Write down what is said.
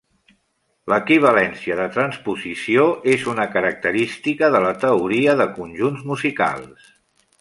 L'equivalència de transposició és una característica de la teoria de conjunts musicals.